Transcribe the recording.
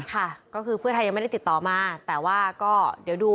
ค่ะก็คือเพื่อไทยยังไม่ได้ติดต่อมาแต่ว่าก็เดี๋ยวดู